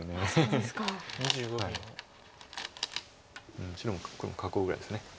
うん黒も囲うぐらいです。